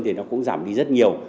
thì nó cũng giảm đi rất nhiều